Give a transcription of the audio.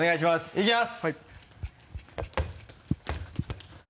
いきます！